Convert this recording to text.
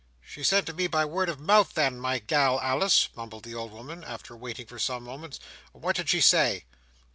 "She sent to me by word of mouth then, my gal, Alice?" mumbled the old woman, after waiting for some moments. "What did she say?"